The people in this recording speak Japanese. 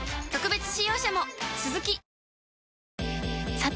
さて！